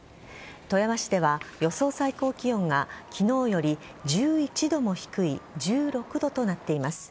富山市では予想最高気温が昨日より１１度も低い１６度となっています。